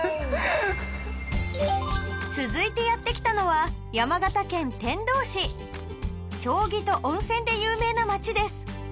続いてやって来たのは将棋と温泉で有名な町です